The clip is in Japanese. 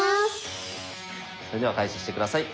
それでは開始して下さい。